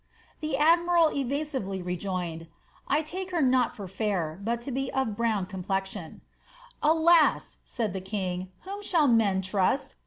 The admiral eraaively rejoined, ^ I take her not for /air, but to be of a hrmon complexion.'' ^ Alas r* said the king, ^ whom shall men trust